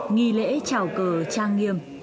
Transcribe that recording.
nghi lễ trào cờ trang nghiêm